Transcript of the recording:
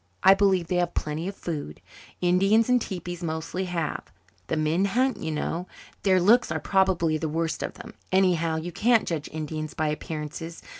I believe they have plenty of food Indians in tepees mostly have. The men hunt, you know. Their looks are probably the worst of them. Anyhow, you can't judge Indians by appearances.